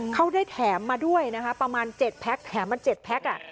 เขาได้แถมมาด้วยนะคะประมาณ๗แพ็คแถมมัน๗แพ็ค